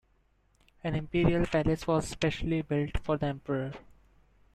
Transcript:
An imperial palace was specially built for the emperor.